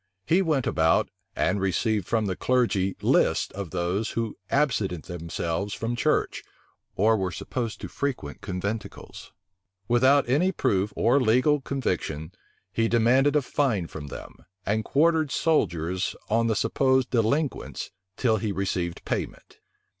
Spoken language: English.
He went about, and received from the clergy lists of those who absented themselves from church, or were supposed to frequent conventicles. Without any proof or legal conviction, he demanded a fine from them, and quartered soldiers on the supposed delinquents, till he received payment.